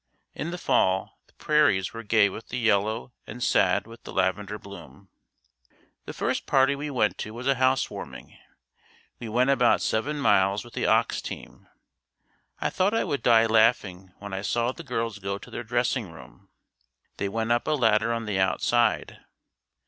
In the fall, the prairies were gay with the yellow and sad with the lavender bloom. The first party we went to was a housewarming. We went about seven miles with the ox team. I thought I would die laughing when I saw the girls go to their dressing room. They went up a ladder on the outside.